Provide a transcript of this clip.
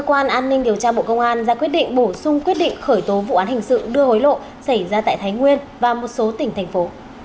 hành sự đưa hối lộ xảy ra tại thái nguyên và một số tỉnh thành phố